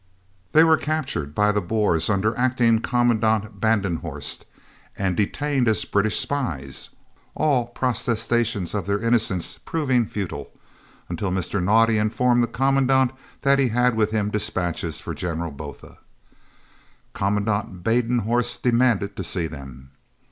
They were captured by the Boers under Acting Commandant Badenhorst and detained as British spies, all protestations of their innocence proving futile, until Mr. Naudé informed the Commandant that he had with him dispatches for General Botha. Commandant Badenhorst demanded to see them.